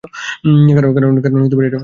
কারণ এটা আমার সাথেও হয়েছিল।